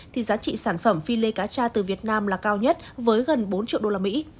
thì giá trị sản phẩm philê cà cha từ việt nam là cao nhất với gần bốn triệu đô la mỹ